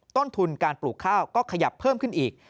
ต้นทุนการปลูกข้าวก็ขยับเพิ่มขึ้นอีก